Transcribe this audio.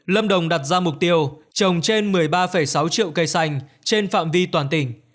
lâm đồng đặt ra mục tiêu trồng trên một mươi ba sáu triệu cây xanh trên phạm vi toàn tỉnh